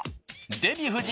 デヴィ夫人